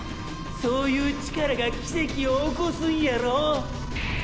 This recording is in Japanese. そういう力が奇跡を起こすんやろ？